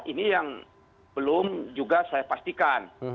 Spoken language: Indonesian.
ini yang belum juga saya pastikan